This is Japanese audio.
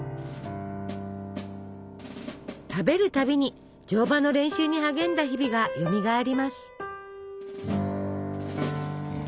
食べるたびに乗馬の練習に励んだ日々がよみがえります。